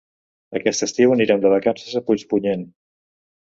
Aquest estiu anirem de vacances a Puigpunyent.